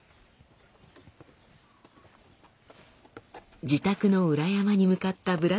自宅の裏山に向かったブラッドリーさん。